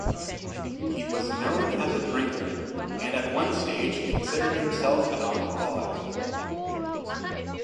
He was known as a drinker, and at one stage considered himself an alcoholic.